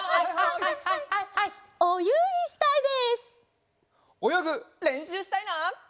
およぐれんしゅうしたいな！